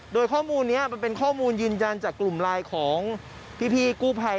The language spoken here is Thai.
โดยข้อมูลนี้มันเป็นข้อมูลยืนยันจากกลุ่มไลน์ของพี่กู้ภัย